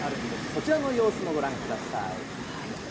そちらの様子もご覧ください。